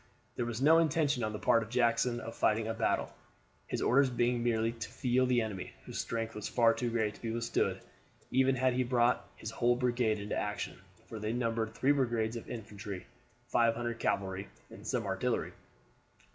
There was no intention on the part of Jackson of fighting a battle, his orders being merely to feel the enemy; whose strength was far too great to be withstood even had he brought his whole brigade into action, for they numbered three brigades of infantry, 500 cavalry, and some artillery.